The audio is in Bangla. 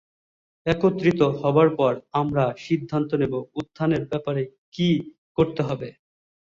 একত্রিত হবার পর, আমরা সিদ্ধান্ত নিব উত্থানের ব্যাপারে কী করতে হবে।